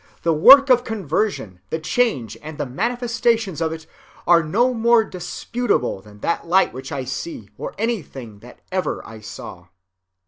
The work of conversion, the change, and the manifestations of it are no more disputable than that light which I see, or anything that ever I saw.